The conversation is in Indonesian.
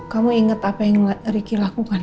kamu inget apa yang ricky lakukan